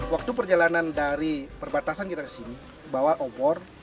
waktu perjalanan dari perbatasan kita ke sini bahwa obor